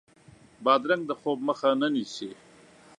بادرنګ د خوب مخه نه نیسي.